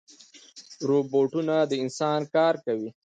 روبوټونه د انسان کار کوي